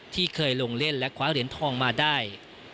ที่เคยลงเล่นและคว้าเหรียญทองมาได้